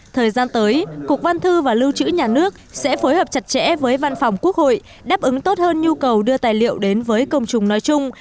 thời gian tới cục văn thư và lưu trữ nhà nước sẽ phối hợp chặt chẽ với văn phòng quốc hội đáp ứng tốt hơn nhu cầu đưa tài liệu đến với công chúng nói chung